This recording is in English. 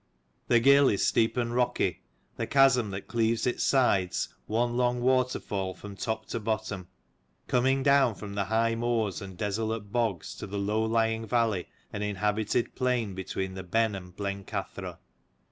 The gill is steep and rocky ; the chasm that cleaves its sides, one long waterfall from top to bottom, coming down from the high moors and desolate bogs to the low lying valley and inhabited plain between the Benn and Blencathra.